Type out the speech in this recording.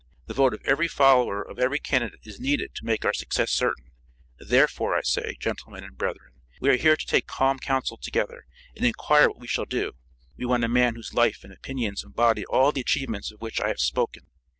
The vote of every follower of every candidate is needed to make our success certain; therefore, I say, gentlemen and brethren, we are here to take calm counsel together, and inquire what we shall do. We want a man whose life and opinions embody all the achievements of which I have spoken.